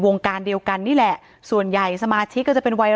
การเดียวกันนี่แหละส่วนใหญ่สมาชิกก็จะเป็นวัย